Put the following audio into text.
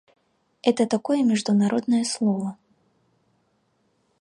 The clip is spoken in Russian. – Это такое международное слово.